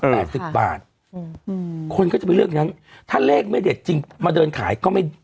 สิบบาทอืมอืมคนก็จะไปเลือกนั้นถ้าเลขไม่เด็ดจริงมาเดินขายก็ไม่